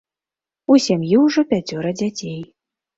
У сям'і ўжо пяцёра дзяцей.